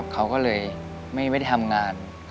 เขาก็เลยไม่ได้ทำงาน